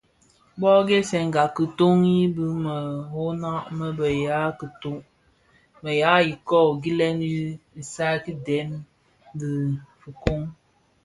Bōō ghèsènga ki dhōňzi bi meroňa më bë ya iköö gilèn i isal ki dèm dhi fikoň.